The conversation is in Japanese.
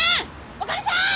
女将さん！